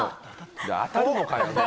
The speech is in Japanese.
いや、当たるのかよ！